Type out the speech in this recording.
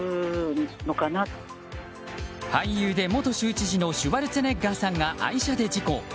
俳優で元州知事のシュワルツェネッガーさんが愛車で事故。